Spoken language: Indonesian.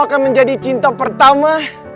dan bisa mencintai kamu